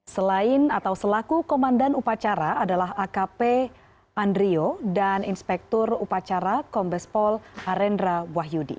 selain atau selaku komandan upacara adalah akp andrio dan inspektur upacara kombespol arendra wahyudi